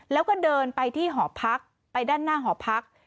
แล้วก็เดินไปที่หอพักไปด้านหน้าหอพัก